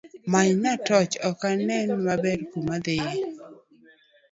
Menyna torch ok anen maber kuma adhie